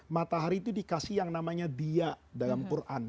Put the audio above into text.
matahari itu dikasih yang namanya dia dalam quran